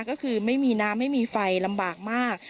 ก็คือไม่มีน้ำไม่มีไฟลำบากมาก